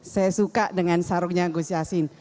saya suka dengan sarungnya gus yassin